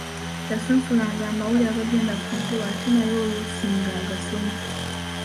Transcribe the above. Yasunsulanga amawulire agagenda ku mpewo ate naye oluusi ng’agasoma.